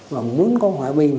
và muốn có hòa bình